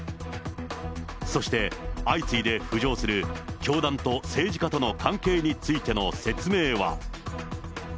そして相次いで浮上する教団と政治家との関係についての説明は。